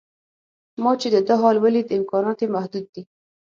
ما چې د ده حال ولید امکانات یې محدود دي.